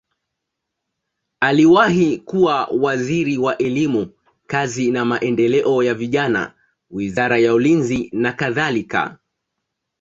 Aliwahi kuwa waziri wa elimu, kazi na maendeleo ya vijana, wizara ya ulinzi nakadhalika.